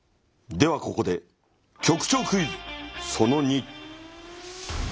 ではここで局長クイズその２。